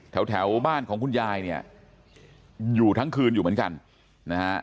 แถวบ้านของคุณยายเนี่ยอยู่ทั้งคืนอยู่เหมือนกันนะฮะ